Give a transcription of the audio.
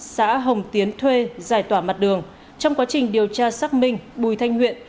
xã hồng tiến thuê giải tỏa mặt đường trong quá trình điều tra xác minh bùi thanh huyện